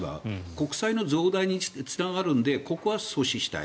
国債の増大につながるのでここは阻止したい。